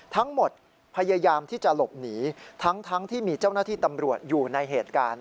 ทั้งหมดพยายามที่จะหลบหนีทั้งที่มีเจ้าหน้าที่ตำรวจอยู่ในเหตุการณ์